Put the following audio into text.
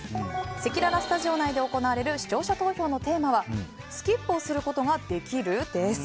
せきららスタジオ内で行われる視聴者投票のテーマはスキップをすることができる？です。